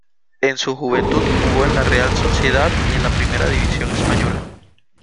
En su juventud jugó en la Real Sociedad y en la Primera división española.